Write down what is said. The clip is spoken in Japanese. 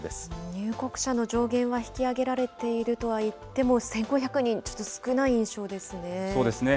入国者の上限は引き上げられているとはいっても、１５００人、そうですね。